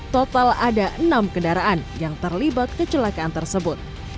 total ada enam kendaraan yang terlibat kecelakaan tersebut